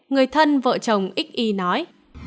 người thân vợ chồng x y nói